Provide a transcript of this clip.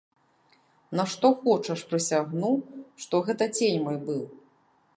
На што хочаш прысягну, што гэта цень мой быў.